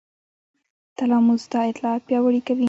تلاموس دا اطلاعات پیاوړي کوي.